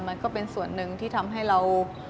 มันก็เป็นส่วนหนึ่งที่ทำให้เรา